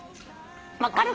分かるかな？